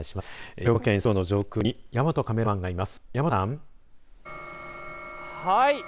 兵庫県佐用町の上空に大和カメラマンがいます。